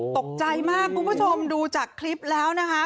ตกใจมากคุณผู้ชมดูจากคลิปแล้วนะคะ